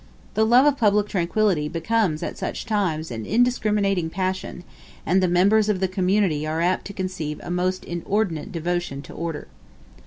The love of public tranquillity becomes at such times an indiscriminating passion, and the members of the community are apt to conceive a most inordinate devotion to order.